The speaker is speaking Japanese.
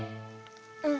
うん。